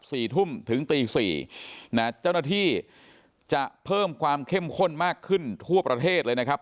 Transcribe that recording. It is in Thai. สี่ทุ่มถึงตีสี่นะเจ้าหน้าที่จะเพิ่มความเข้มข้นมากขึ้นทั่วประเทศเลยนะครับ